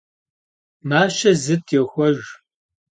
Maşe zıt' yoxuejj.